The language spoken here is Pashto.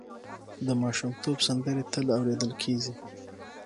د ماشومتوب سندرې تل اورېدل کېږي.